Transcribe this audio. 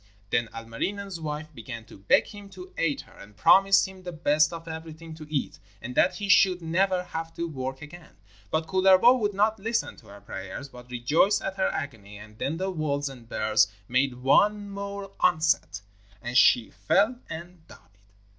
Then Ilmarinen's wife began to beg him to aid her, and promised him the best of everything to eat, and that he should never have to work again. But Kullervo would not listen to her prayers, but rejoiced at her agony, and then the wolves and bears made one more onset, and she fell and died.